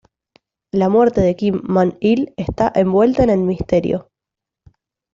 La muerte de Kim Man-il está envuelta en el misterio.